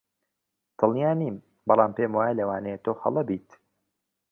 دڵنیا نیم، بەڵام پێم وایە لەوانەیە تۆ هەڵە بیت.